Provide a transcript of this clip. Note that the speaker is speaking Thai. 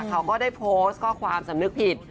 เขาก็ได้โพสต์ข้อความสำนึกผิด